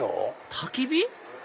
たき火？